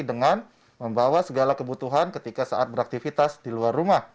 dengan membawa segala kebutuhan ketika saat beraktivitas di luar rumah